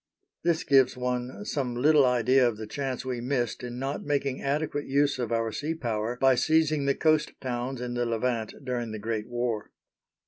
This gives one some little idea of the chance we missed in not making adequate use of our sea power by seizing the coast towns in the Levant during the Great War.